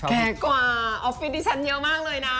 แก่กว่าออฟฟิศดิฉันเยอะมากเลยนะ